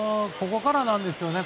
ここからなんですよね。